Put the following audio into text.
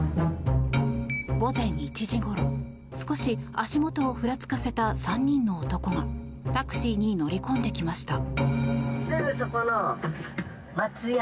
午前１時ごろ少し足元をふらつかせた３人の男がタクシーに乗り込んできました。